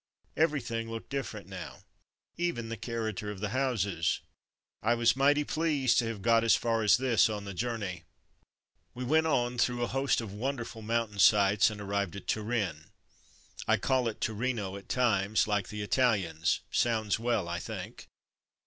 Everything looked different now, even the character of the houses; I was mighty pleased to have got as far as this on the journey. We went on through a host of wonderful mountain sights and arrived at Turin (I call it Torino at times, like the Italians; sounds well, I think).